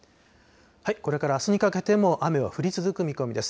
これからあすにかけても雨は降り続く見込みです。